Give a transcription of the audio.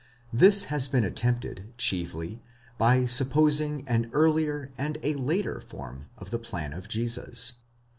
This has been attempted chiefly by supposing an earlier and a later form of the plan of Jesus.